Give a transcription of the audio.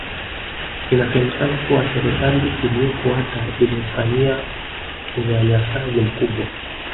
Inasemekana kuwa Serikali iliyofuata ilimfanyia unyanyasaji mkubwa